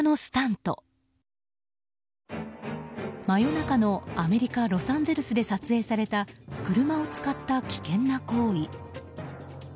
真夜中のアメリカ・ロサンゼルスで撮影された車を使った危険な行為。